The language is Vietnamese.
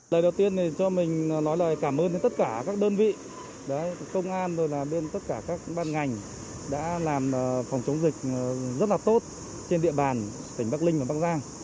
lời đầu tiên cho mình nói lời cảm ơn đến tất cả các đơn vị công an rồi là bên tất cả các ban ngành đã làm phòng chống dịch rất là tốt trên địa bàn tỉnh bắc linh và bắc giang